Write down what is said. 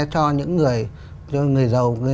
cho những người giàu